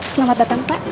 selamat datang pak